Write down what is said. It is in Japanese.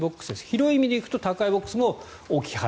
広い意味で行くと宅配ボックスも置き配。